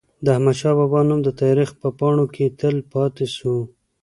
د احمد شاه بابا نوم د تاریخ په پاڼو کي تل پاتي سو.